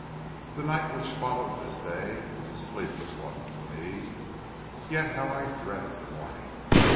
"The night which followed this day was a sleepless one for me. Yet how I dreaded the morning!